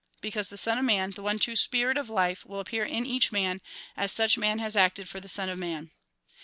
Because the Son of Man, the one true spirit of life, will appear in each man, as such man has acted for the Son of Man.